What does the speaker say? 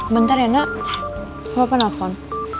bentar ya nak aku panggil telepon